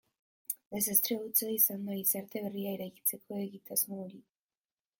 Desastre hutsa izan da gizarte berria eraikitzeko egitasmo hori.